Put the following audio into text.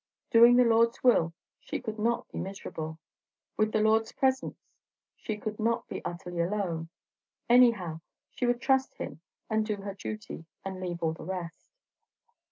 Doing the Lord's will, she could not be miserable; with the Lord's presence she could not be utterly alone; anyhow, she would trust him and do her duty, and leave all the rest.